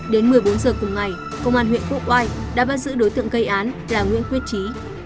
đến một mươi bốn h cùng ngày công an huyện quốc hoa đã bắt giữ đối tượng gây án là nguyễn quyết trí